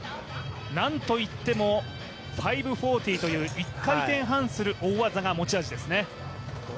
なんといっても、５４０という１回転半する大技が持ち味ですね。